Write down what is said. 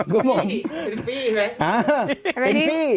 กูบอกฟรีเป็นฟรีไหม